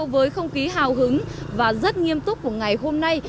với không khí hào hứng và rất nghiêm túc của ngày hôm nay